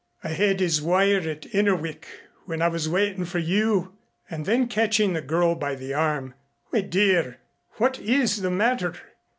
I had his wire at Innerwick when I was waiting for you." And then catching the girl by the arm, "Why, dear, what is the matter?"